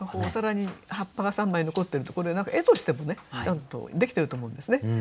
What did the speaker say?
お皿に葉っぱが３枚残ってるってこれ絵としてもねちゃんとできてると思うんですね。